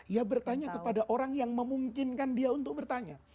ya bertanya kepada orang yang memungkinkan dia untuk bertanya